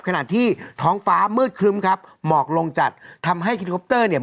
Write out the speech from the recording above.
ขณะที่ท้องฟ้ามืดครึ้มครับหมอกลงจัดทำให้เฮลิคอปเตอร์เนี่ย